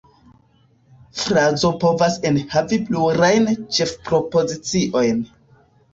Frazo povas enhavi plurajn ĉefpropoziciojn.